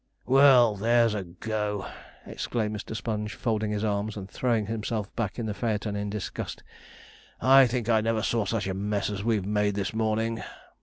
'Well, there's a go!' exclaimed Mr. Sponge, folding his arms, and throwing himself back in the phaeton in disgust. 'I think I never saw such a mess as we've made this morning.'